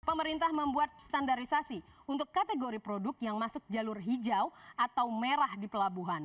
pemerintah membuat standarisasi untuk kategori produk yang masuk jalur hijau atau merah di pelabuhan